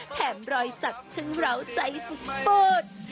แถมรอยจักรทั้งเล้าใจสุขปลด